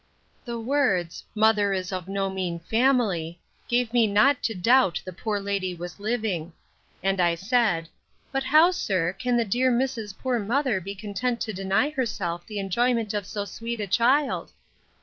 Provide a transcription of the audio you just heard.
The words, mother is of no mean family, gave me not to doubt the poor lady was living. And I said, But how, sir, can the dear miss's poor mother be content to deny herself the enjoyment of so sweet a child?